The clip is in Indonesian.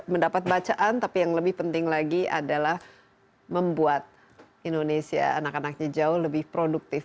mendapat bacaan tapi yang lebih penting lagi adalah membuat indonesia anak anaknya jauh lebih produktif